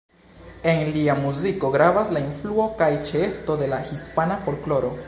En lia muziko gravas la influo kaj ĉeesto de la hispana folkloro.